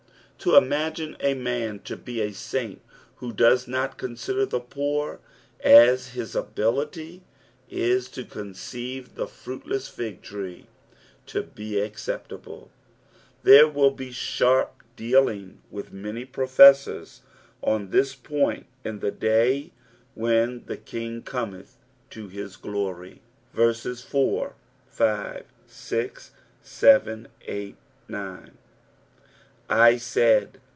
To imagine n man to be a saint who does not consider the p<ior as he has ability, is to conceive the fruitless fig tree to be acceptable ; tbere will be sharp dealing with many professors on this point in the day when the King cometh in his glory. 4 1 said.